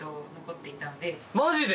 マジで？